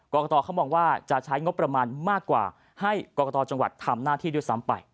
กรกตเขามองว่าจะใช้งบประมาณมากกว่าให้กรกตจังหวัดทำหน้าที่ด้วยซ้ำไป